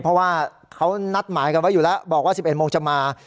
เพราะว่าเขานัดหมายกันไว้อยู่แล้วบอกว่า๑๑โมงจะมา